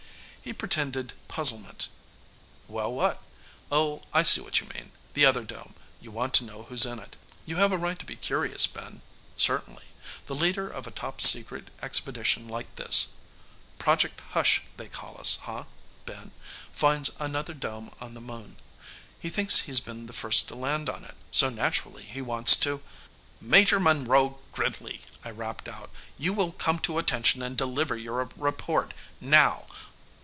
He pretended puzzlement. "Well what? Oh, I see what you mean. The other dome you want to know who's in it. You have a right to be curious, Ben. Certainly. The leader of a top secret expedition like this Project Hush they call us, huh, Ben finds another dome on the Moon. He thinks he's been the first to land on it, so naturally he wants to " "Major Monroe Gridley!" I rapped out. "You will come to attention and deliver your report. Now!"